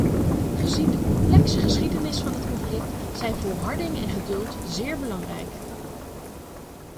Gezien de complexe geschiedenis van het conflict zijn volharding en geduld zeer belangrijk.